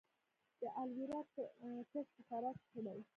د الوویرا کښت په فراه کې شوی